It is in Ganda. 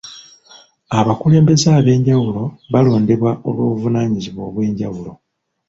Abakulembeze ab'enjawulo balondebwa olw'obuvunaanyizibwa obw'enjawulo.